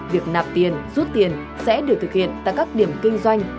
việc nạp tiền rút tiền sẽ được thực hiện tại các điểm kinh doanh